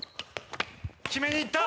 決めにいった！